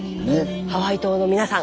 ハワイ島の皆さん